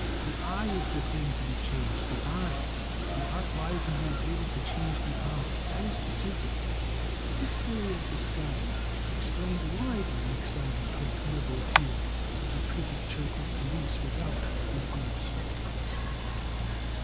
The eye is the thing to be changed — the eye! The art lies in being able to change the eye. That is the secret." This theory of disguise explained ^y MORE DEVICES 205 the lynx eyed Lecoq never appeared at the Prefecture of Police without his gold spectacles.